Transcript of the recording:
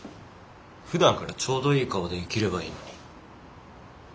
ふだんからちょうどいい顔で生きればいいのに。